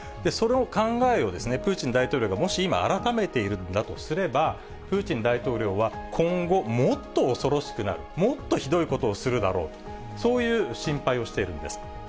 それをその考えをプーチン大統領がもし今、改めているんだとすれば、プーチン大統領は今後、もっと恐ろしくなる、もっとひどいことをするだろう、そういう心配をしているんです。